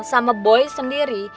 sama boy sendiri